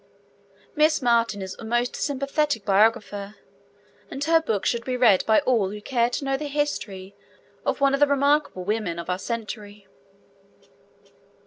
Miss Martin is a most sympathetic biographer, and her book should be read by all who care to know the history of one of the remarkable women of our century.